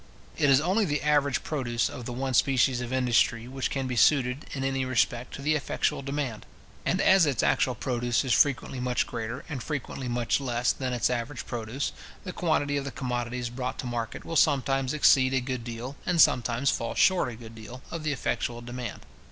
It is only the average produce of the one species of industry which can be suited, in any respect, to the effectual demand; and as its actual produce is frequently much greater, and frequently much less, than its average produce, the quantity of the commodities brought to market will sometimes exceed a good deal, and sometimes fall short a good deal, of the effectual demand.